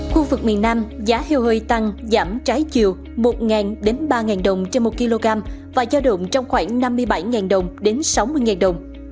khu vực miền nam giá heo hơi tăng giảm trái chiều một ngàn đến ba ngàn đồng trên một kg và giao động trong khoảng năm mươi bảy ngàn đồng đến sáu mươi ngàn đồng